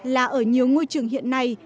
là ở nhiều ngôi trường hiện nay